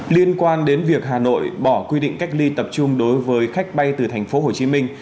liên quan đến việc hà nội bỏ quy định cách ly tập trung đối với khách bay từ thành phố hồ chí minh